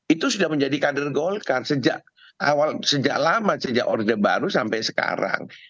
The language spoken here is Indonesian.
itu sudah menjadi kader golkar sejak awal sejak lama sejak orde baru sampai sekarang